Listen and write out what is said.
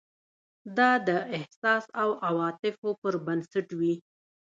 دا د احساس او عواطفو پر بنسټ وي.